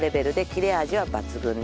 「切れ味は抜群で」